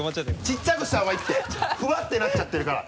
ちっちゃくした方がいいってふわってなっちゃってるから。